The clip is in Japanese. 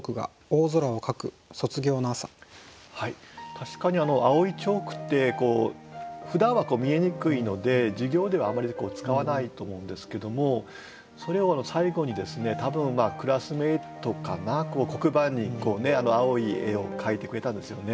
確かに青いチョークってふだんは見えにくいので授業ではあまり使わないと思うんですけどもそれを最後に多分クラスメートかな黒板に青い絵を描いてくれたんですよね。